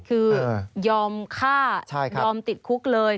คือยอมฆ่ายอมติดคุกเลย